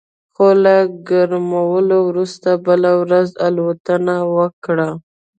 خو له ګرمولو وروسته بله ورځ الوتنه وکړه